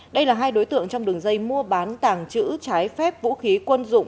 đây là hai đối tượng trong đường dây mua bán tàng trữ trái phép vũ khí quân dụng